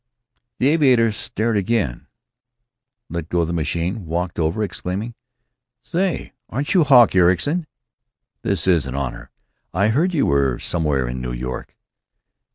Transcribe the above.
The aviator stared again, let go the machine, walked over, exclaiming: "Say, aren't you Hawk Ericson? This is an honor. I heard you were somewhere in New York.